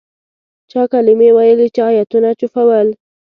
چا کلمې ویلې چا آیتونه چوفول.